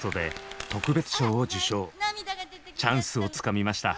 チャンスをつかみました。